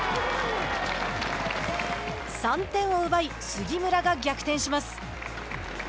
３点を奪い、杉村が逆転します。